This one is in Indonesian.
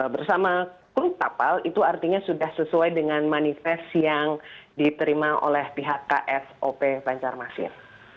bersama kru kapal itu artinya sudah sesuai dengan manifest yang diterima oleh pihak ksop banjarmasin